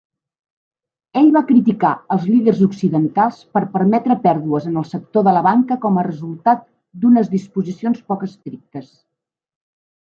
Ell va criticar els líders occidentals per permetre pèrdues en el sector de la banca com a resultat d'unes disposicions poc estrictes.